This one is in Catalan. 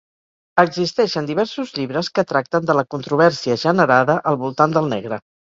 Existeixen diversos llibres que tracten de la controvèrsia generada al voltant del negre.